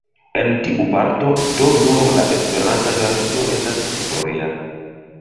En tiu parto do nur la esperanta versio estas historia.